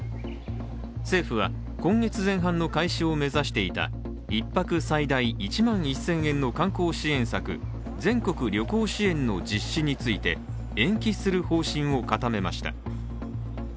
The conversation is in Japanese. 政府は、今月前半の開始を目指していた１泊最大１万１０００円の観光支援策、全国旅行支援の実施について、延期する方針を固めました。